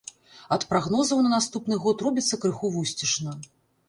Ад прагнозаў на наступны год робіцца крыху вусцішна.